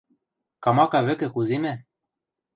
Камака вӹкӹ куземӓ.